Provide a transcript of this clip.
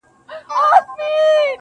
o راځه د ژوند په چل دي پوه کړمه زه.